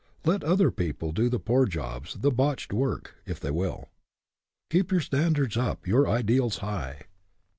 Let other people do the poor jobs, the botched work, if they will. Keep your standards up, your ideals high.